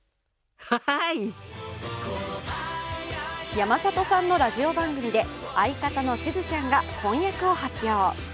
山里さんのラジオ番組で相方のしずちゃんが婚約を発表。